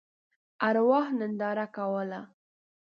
ارواح ننداره کوله.